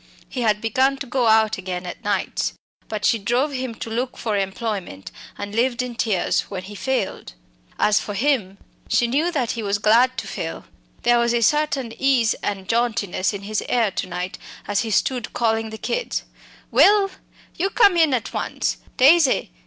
He had begun to go out again at nights. But she drove him to look for employment, and lived in tears when he failed. As for him, she knew that he was glad to fail; there was a certain ease and jauntiness in his air to night as he stood calling the children: "Will! you come in at once! Daisy!